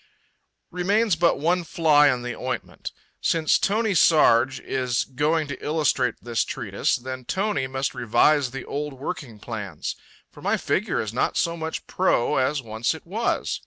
Remains but one fly in the ointment. Since Tony Sarg is going to illustrate this treatise, then Tony must revise the old working plans. For my figure is not so much pro as once it was.